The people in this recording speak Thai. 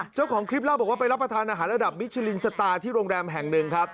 เจ้าของคลิปเล่าบอกว่าไปรับประทานอาหารระดับมิชลินสตาร์ที่โรงแรมแห่งหนึ่งครับ